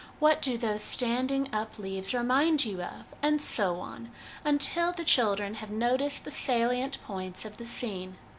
What do those standing up leaves remind you of?' and so on, until the children have noticed the salient points of the scene.